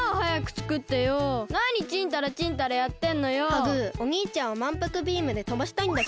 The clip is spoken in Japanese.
ハグおにいちゃんをまんぷくビームでとばしたいんだけど。